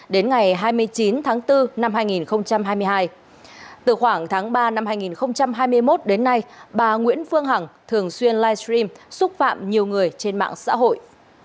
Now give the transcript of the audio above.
đến ngày hai mươi chín tháng bốn năm hai nghìn hai mươi hai từ khoảng tháng ba năm hai nghìn hai mươi một đến nay bà nguyễn phương hằng thường xuyên livestream xúc phạm nhiều người trên mạng xã hội